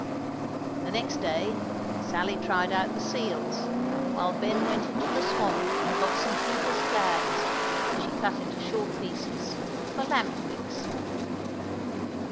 The next day Sally tried out the seals, while Ben went into the swamp and got some cooper's flags, which he cut into short pieces, for lamp wicks.